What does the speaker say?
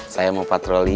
bukan itu hiburan mi